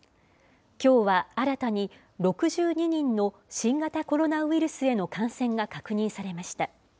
きょうは新たに６２人の新型コロナウイルスへの感染が確認されました。